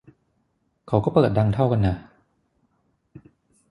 เขาก็เปิดดังเท่ากันน่ะ